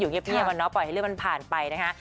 อยู่เงียบปล่อยให้เรื่องมันผ่านไปนะคะ